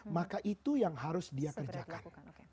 maka itu yang harus dia kerjakan